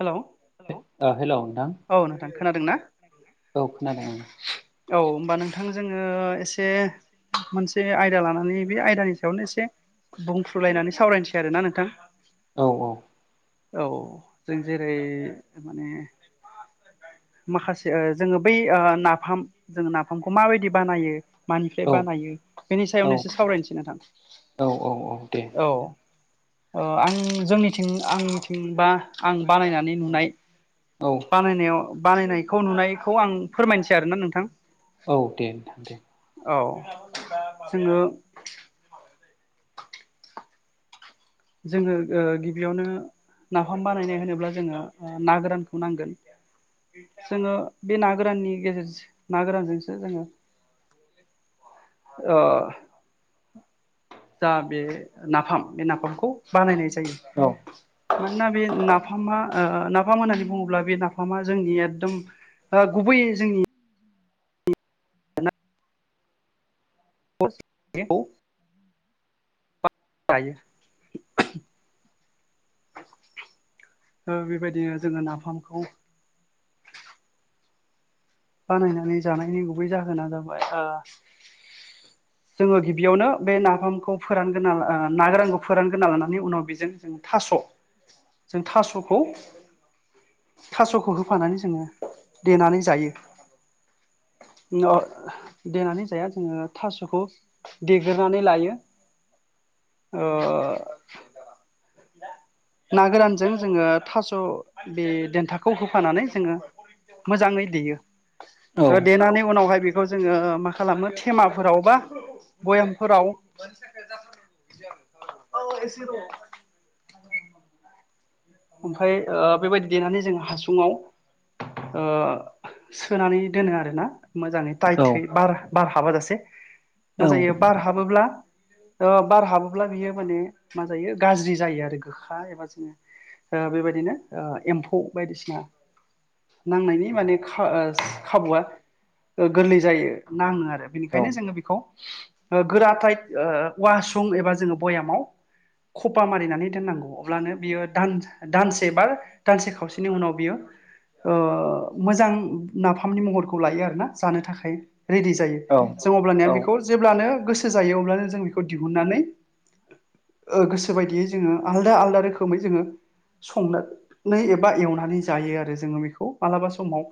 Hello hello नोंथां औ नोंथां खोनादोंना औ खोनादों औ होमबा नोंथां जोङो एसे मोनसे आयदा लानानै बे आयदानि सा सायावनो एसे बुंफ्रुलायनानै सावरायनोसै आरो ना नोंथां औ औ औ जों जेरै माने माखासे ओ जोङो बै नाफाम जों नाफामखौ माबायदि बानायो औ मानिफ्राय बानायो बेनि औ सायावनो एसे सावरायनोसै नोंथां औ औ दे औ ओ जोंनिथिं आंनिथिंबा आं बानायनानै नुनाय औ बानायनायाव बानायनायखौ नुनायखौ आं फोरमायसै आरोना नोंथां औ दे नोंथां दे औ जोङो जोङो गिबिआवनो नाफाम बानायनो होनोब्ला जोङो ना गोरानखौ नांगोन जोङो बे ना गोराननि गेजेरजों ना गोरानजोंसो जोङो ओ जा बे नाफाम बे नाफामखौ बानायनाय जा औ जायो मानोना बे नाफामा नाफाम होननानै बुङोब्ला बे नाफामा जोंनि एथदम ओ गुबै जोंनि औ [inaudible] जयो उम ओ बेबायदिनो जोङो नाफामखौ बानायनानै जानायनि गुबै जाहोना जाबाय ओ जोङो गिबियावनो बे नाफामखौ फोरानगोना ओ ना गोरानखौ फोरानग्रोना लानानै उनाव बेजों जों थास' जों थास'खौ थास'खौ होफानानै जोङो देनानै जायो। अ देनानै जाया जोङो थास'खौ देग्रोननानै लायो। ओ [unintelligible] ना गोरानजों जोङो थास' बे देन्थाखौ होफानानै जोङो मोजाङै देयो। औ ओ देनानै उनावहाय बे बेखौ जोङो मा खालामो थेमाफोराव बा भयामफोराव औ एसे र'। ओमफाय ओ बेबायदि देनानै जों हासुङाव ओ सोनानै दोनो आरोना मोजाङै औ टाइथहै बार बार हाबाजासे, औ मा जायो बार हाबोब्ला ओ बार हाबोब्ला बियो माने मा जायो गाज्रि जायो आरो गोखा एबा जोङो ओ बेबायदिनो ओ एम्फौ बायदिसिना नांनायनि माने खाबुआ गोरलै जायो नाङो आरो। बेनिखायनो जोङो बेखौ ओ गोरा थाइट औवासुं एबा जोङो बयामाव खपा मारिनानै दोननांगौ अब्लानो बियो दान दानसे बा दानसे खावसेनि उनाव बियो मोजां नाफामनि महरखौ लायो आरोना जानो थाखाय रेडि जायो। औ जों अब्लनिया औ बेखौ जेब्लानो गोसो जायो अब्लानो जों बेखौ दिहुननानै गोसो बायदियै जोङो आलदा आलादा रोखोमै जोङो संनानै एबा एवनानै जायो आरो जोङो बेखौ मालाबा समाव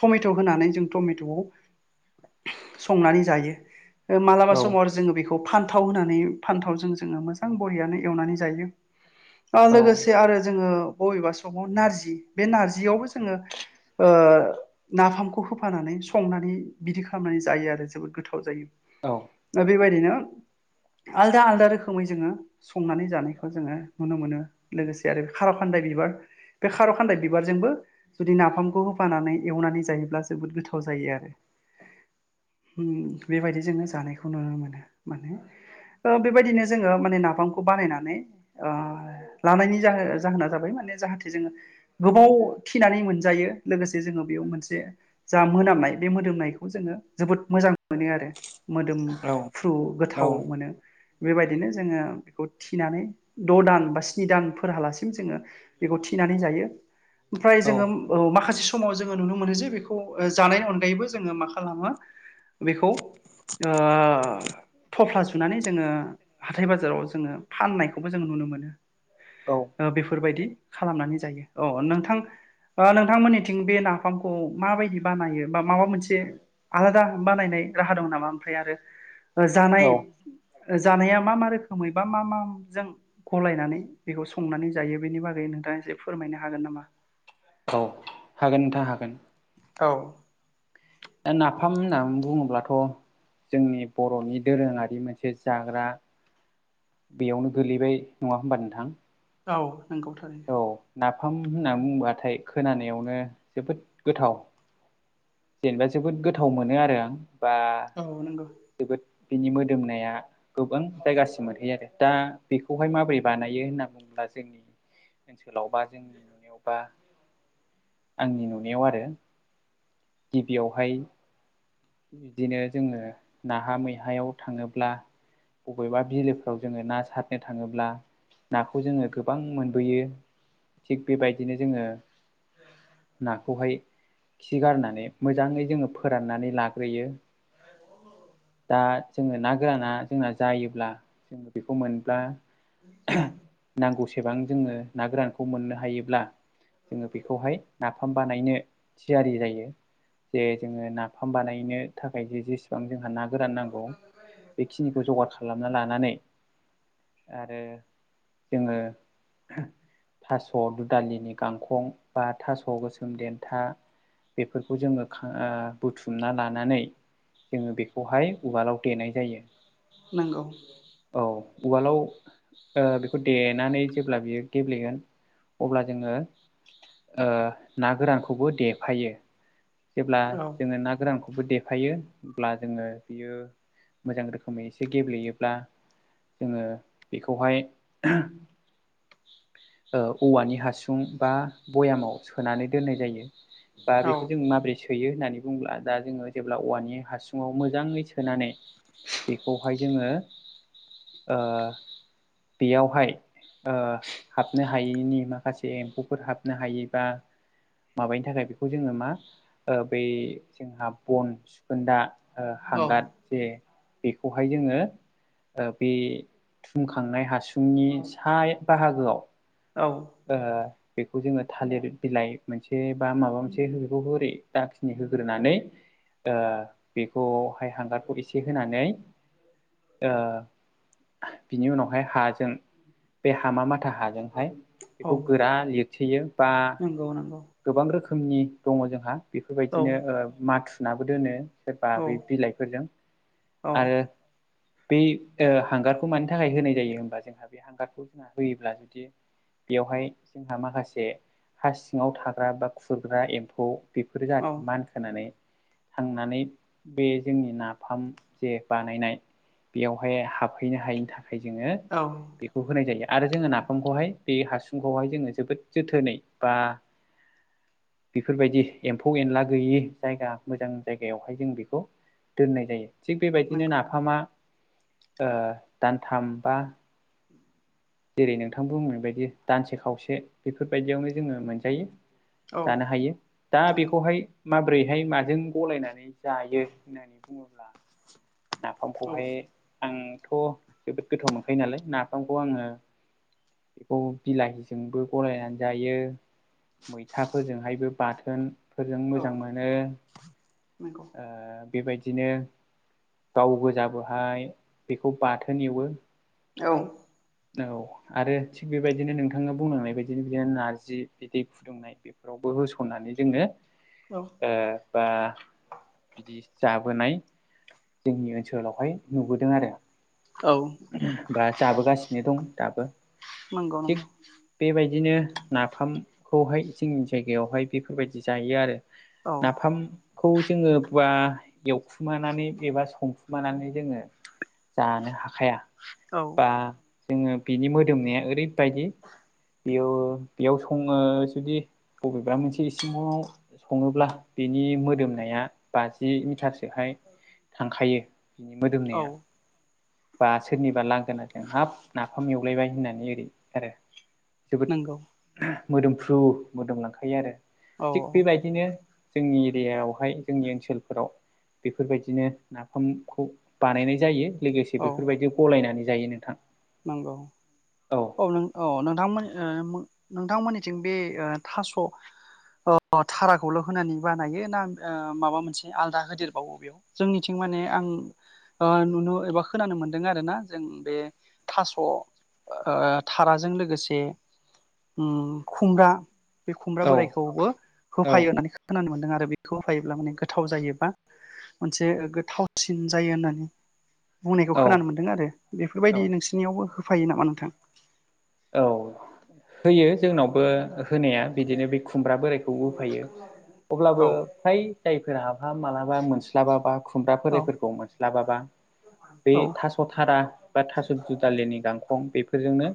टमेट' होनानै जों टमेट'खौ संनानै जायो। ओ मालाबा समाव आरो जोङो बेखौ फान्थाव होनानै फान्थाव जों जोङो मोजां बरियनो एवनानै जायो। ओ लोगोसे आरो जोङो बबेबा समाव नारजि, बे नारजियावबो जोङो नाफामखौ होफानानै संनानै बिदि खालामनानै जायो आरो जोबोद गोथाव जायो। ओ बेबायदि नो आलदा आलदा रोखोमै जोङो संनानै जानायखौ जोङो नुनो मोनो लोगोसे खार' खान्दाय बिबार बे खार' खान्दाय बिबारजोंबो जुदि नाफामखौ होफानानै एवनानै जायोब्ला जोबोद गोथाव जायो आरो। बेबायदि जोङो जानायखौ नुनो मोनो माने ओ बेबायदिनो जोङो माने नाफामखौ बानायनानै लानायनि जाहो-जाहोना जाबाय माने जाहाथे जोङो गोबाव थिनानै मोनजायो लोगोसे जोङो बेयाव मोनसे जा मोनामनाय बे मोदोमनायखौ जोङो जोबोद मोजां मोनो आरो। मोदोमफ्रु गोथाव मोनो। बेबायदिनो जोङो बेखौ थिनानै द' दान बा स्नि दान फोरहाालासिम जोङो बेखौ थिनानै जायो। ओमफ्राय जोङो औ माखासे समाव जोङो नुनो मोनो जे बेखौ जानायनि अनगायैबो जोङो मा खालामो बेखौ थफ्ला सुनानै जोङो हाथाय बाजाराव जोङो फाननायखौबो जों नुनो मोनो। औ। बेफोरबायदि खालामनानै जायो। अ नोंथां ओ नोंथांमोननिथिं बे नाफामखौ माबायदि बानायो बा माबा मोनसे आलादा बानायनाय राहा दं नामा ओमफ्राय आरो? जानाय जानाया मा मा रोखोमै बा मा माजों गलायनानै बेखौ संनानै जायो बेनि बागै नोंथाङा एसे फोरमायनो हागोन नामा? औ हागोन नोंथां हागोन। औ नाफाम होनना बुङोब्लाथ' जोंनि बर'नि दोरोङारि मोनसे जाग्रा बेयावनो गोलैबाय नङा होनबा नोंथां? औ नंगौ थारैनो। औ नाफाम होनना बुंबाथाय खोनानायावनो जोबोद गोथाव जेनेबा जोबोद गोथाव मोनो आरो आं बा औ नोंगौ जोबोद बिनि मोदोमनाया गोबां जायगासिम मोनहैयो आरो दा बेखौहाय माबोरै बानायो होनना बुङोब्ला जोंनि ओनसोलावबा जोंनि नुनायावबा आंनि नुनायाव आरो गिबियावहाय बिदिनो जोङो नाहा मैहायाव थाङोब्ला बबेबा बिलोफ्राव जोङो ना सारनो थाङोब्ला नाखौ जोङो गोबां मोनबोयो थिग बेबायदिनो जोङो नाखौहाय खि गारनानै मोजाङै जोङो फोराननानै ला ग्रोयो। दा जोङो ना गोराना जोंना जायोब्ला बेखौ मोनब्ला नांगौ सेबां जोङो ना गोरानखौ मोननो हायोब्ला जोङो बेखौहाय ना फाम बानायनो थियारि जायो जे जोङो नाफाम बानायनो थाखाय जे जेसे बां जोंहा ना गोरान नांगौ बेखिनिखौ जगार खालामना लानानै आरो जोङो थास' दुदालिनि गांखं बा थास' गोसोम देन्था बेफोरखौ जोङो ओ बुथुमना ला नानै जोङो बेखौहाय उवालाव देनाय जायो। नोंगौ औ उवालाव ओ बेखो देनानै जेब्ला बियो गेब्लेगोन अब्ला जोङो ओ ना गोरानखौबो देफायो जेब्ला औ जोङो ना गोरान खौबो देफायो अब्ला जोङो बियो मोजां रोखोमै एसे गेब्लेयोब्ला जोङो बेखौहाय ओ औवानि हासुं बा भयामाव सोनानै दोननाय जायो। बा बेखौ जों माबरै सोयो होननानै बुंङोब्ला दा जोङो जेब्ला औवानि हासुङाव मोजाङै सोनानै बेखौहाय जोङो ओ बेयावहाय ओ हाबनो हायैनि माखासे एम्फौफोर हाबनो हायै बा माबानि थाखाय बेखौ जोङो मा ओ बै जोंहा बन सुखोनदा ओ हांगाद औ जे बेखौहाय जोङो बे थुमखांनाय हासुंनि सा बाहागोआव औ ओ बेखौ जोङो थालिर बिलाइ मोनसे बा माबा मोनसे बेखौ हरै दाखिनि होग्रोनानै ओ बेखौहाय हांगारखौ एसे होनानै ओ बिनि उनावहाय हाजों बे हामा माथा हाजोंहाय बेखौ गोरा लिरथेयो बा नोंगौ नोंगौ गोबां रोखोमनि दङ जोंहा औ बेफोरबायदिनो ओ माथुुनाबो दोनो सोरबा औ बे बिलाइफोरजों औ आरो बै ओ हांगारखौ मानि थाखाय होनाय जायो होनबा जोंहा बे हांगारखौ जोंहा होयोब्ला बिदि बेवहाय जोंहा माखासे हास सिङाव थाग्रा बा खुरग्रा एम्फौ बेफोर औ जाहाथे मा होनानै थांनानै बे जोंनि नाफाम जे बानायनाय बेयावहाय हाबहैनो हायैनि थाखाय जोङो औ। बेखौ होनाय जायो आरो जोङो नाफामखौहाय बे हासुंखौहाय जोङो जोबोद जोथोनै बा बेफोरबायदि एम्फौ एनला गैयि जायगा मोजां जायगायावहाय जों बेखौ दोननाय जायो। थिग बेबायदिनो नंगौ नाफामा दानथाम बा उम। जेरै नोंथां बुंनाय बायदि दानसे खावसे बेफोरबायदियावनो जोङो मोनजायो औ जानो हायो दा नंगौ बेखौहाय माबोरैहाय माजों गलायनानै जायो होननानै बुङोब्ला औ नाफामखौहाय आंथ' जोबोद गोथाव मोनखायो नालाय नाफामखौ आङो बेखौ बिलाहिजोंबो गनायनानै जायो मैथाफोरजोंहायबो बाथोनफोरजों औ मोजां मोनो नंगौ ओ बेबायदिनो गाव गोजाबोहाय बेखौ बाथोन एवो औ। औ आरो थिग बेबायदिनो नोंथाङा बुंनांनाय बायदिनो बिदिनो नारजि बिदै फुदुंनाय बेफोरावबो होस'नानै जोङो औ। ओ बा बिदि जाबोनाय जोंनि ओनसोलावहाय नुबोदों आरो औ। बा जाबोगासिनो दं दाबो। नोंगौ। थिग बेबायदिनो नाफामखौहाय जोंनि जायगायावहाय बेफोरबायदि जायो आरो। औ नाफाम खौ जोङो बा एवखुमानानै एबा संखुमानानै जोङो जानो हाखाया। औ। बा जोङो बिनि मोदोमनाया ओरैबायदि बेयाव बेयाव सङो जुदि बबेबा मोनसे इसिङाव सङोब्ला बिनि मोदोमनाया बाजि मिटारसोहाय थांखायो बिनि औ मोदोमनाया बा सोरनिबा लांगोनाजों हाब नाफाम एवलायबाय होननानै ओरै आरो। नंगौ जोबोद मोदोमफ्रु मोदोमलांखायो आरो। औ थिग बेबायदिनो जोंनि एरियाायावहाय जोंनि ओनसोलफोराव बेफोरबायदिनो नाफामखौ बानायनाय जायो लोगोसे औ बेफोरबायदि गलायनानै जायो नोंथां। नंगौ औ नों अ नोंथांमोन नोंथांमोननिथिं बे थास' अ धाराखौल' होनानै बानायो ना माबा मोनसे आलदा होदेरबावो बेयाव? जोंनिथिं माने आं ओ नुनो एबा खोनानो मोन्दों आरो ना जों बे थास' ओ थाराजों लोगोसे उम खुंग्रा बे खुमब्रा औ बोरायखौबो औ होफायो होननानै खोनानो मोनदों आरो बेखौ होफायोब्ला माने गोथाव जायोबा मोनसे गोथावसिन जायो होननानै। बुंनायखौ औ खोनानो मोन्दों आरो औ बेफोरबायदि नोंसिनियावबो होफायो नामा नोंथां? औ होयो जोंनावबो। होनाया बिदिनो बे खुमब्रा बोराइखौ होफायो अब्लाबो औ फ्राय जायफोरा मालाबा मोनस्लाबाबा खुमब्रा औ बोरायफोरखौ मोनस्लाबाबा बे औ थास थारा बा थास' दुदालिनि गांखं बेफोरजोंनो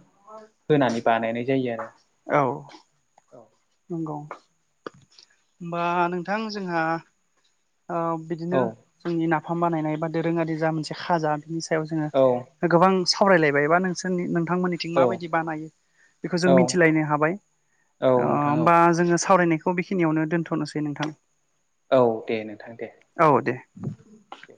औ होनानै बानायनाय जायो आरो औ [unintelligible] होनबा नोंथां जोंहा बिदिनो औ जोंनि नाफाम बानायनाय बा दोरोङारि जा मोनसे खाजा बिनि सायाव जोङो औ गोबां सावरायलायबाय बा नोंसोरनि नोंथांमोननिथिं औ माबायदि बानायो बेखौ जों औ मिथिलायनो हाबाय औ नोंथां औ होमबा जोङो सावरायनायखौ बेखिनियावनो दोनथ'नोसै नोंथां औ दे नोंथां दे औ दे दे